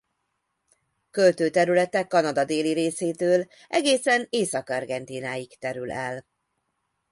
Költőterülete Kanada déli részétől egészen Észak-Argentínáig terül el.